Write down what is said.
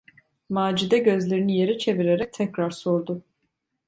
Macide gözlerini yere çevirerek tekrar sordu: